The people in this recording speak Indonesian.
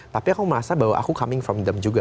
tapi aku merasa bahwa aku coming from them juga